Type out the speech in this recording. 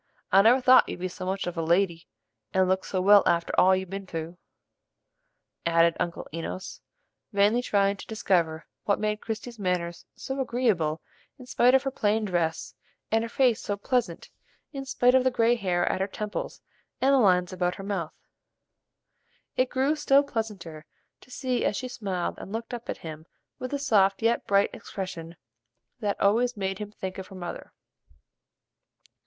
I never thought you'd be so much of a lady, and look so well after all you've ben through," added Uncle Enos, vainly trying to discover what made Christie's manners so agreeable in spite of her plain dress, and her face so pleasant in spite of the gray hair at her temples and the lines about her mouth. It grew still pleasanter to see as she smiled and looked up at him with the soft yet bright expression that always made him think of her mother.